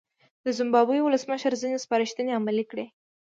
د زیمبابوې ولسمشر ځینې سپارښتنې عملي کړې.